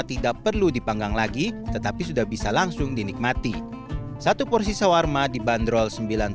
tidak perlu dipanggang lagi tetapi sudah bisa langsung dinikmati satu porsi sawarma dibanderol